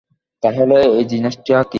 তাহলে, এই জিনিসটা কী?